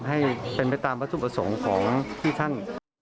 ให้เป็นไปตามวัตถุประสงค์ของที่ท่าน